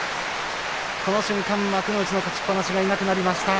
この瞬間、幕内の勝ちっぱなしはいなくなりました。